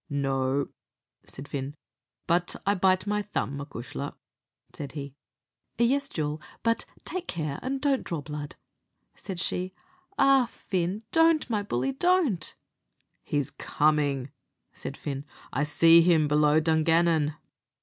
"No," said Fin; "but I bite my thumb, acushla," said he. "Yes, jewel; but take care and don't draw blood," said she. "Ah, Fin! don't, my bully don't." "He's coming," said Fin; "I see him below Dungannon."